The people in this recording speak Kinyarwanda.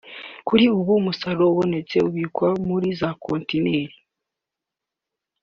Kuri ubu umusaruro uboneka ubikwa muri za kontineri